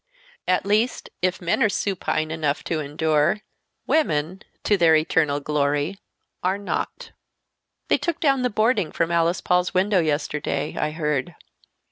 At least, if men are supine enough to endure, women—to their eternal glory—are not. "They took down the boarding from Alice Paul's window yesterday, I heard.